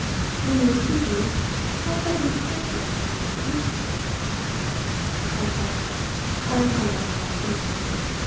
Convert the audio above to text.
Will you excuse me? Perhaps I can persuade them to be introduced to you." I said, "I am going up to my room."